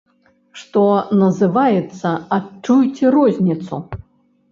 Што называецца, адчуйце розніцу.